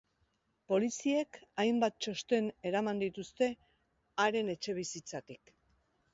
Poliziek hainbat txosten eraman dituzte haren etxebizitzatik.